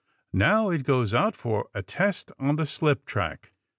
Now it goes out for a test on the slip track.